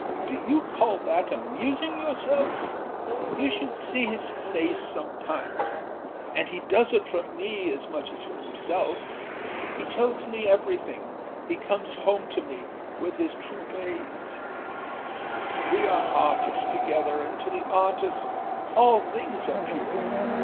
Do you call that amusing yourself? You should see his face sometimes! And he does it for me as much as for himself. He tells me everythingâhe comes home to me with his trouvailles. We are artists together, and to the artist all things are pure.